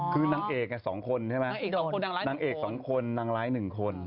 คือนางเอกสองคนใช่ไหมนางเอกสองคนนางร้ายหนึ่งคน